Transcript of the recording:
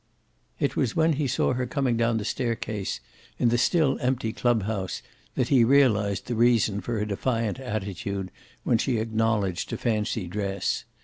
It was when he saw her coming down the staircase in the still empty clubhouse that he realized the reason for her defiant attitude when she acknowledged to fancy dress.